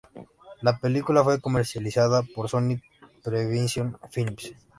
La película fue comercializada por Sony Previsión Films.